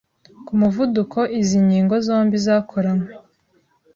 ku muvuduko izi nkingo zombi zakoranywe.